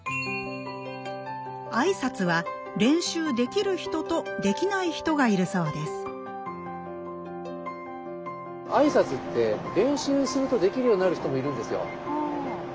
あいさつは練習できる人とできない人がいるそうですあいさつって練習するとできるようになる人もいるんですよ。